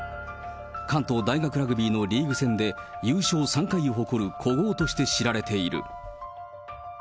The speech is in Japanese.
関東大学ラグビーのリーグ戦で優勝３回を誇る古豪として知られている。